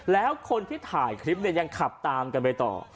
แล้วคนที่ถ่ายคลิปเนี่ยยังขับตามกันไปต่อ